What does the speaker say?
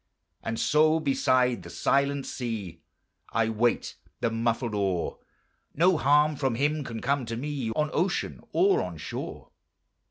And so beside the Silent Sea I wait the muffled oar; No harm from Him can come to me On ocean or on shore.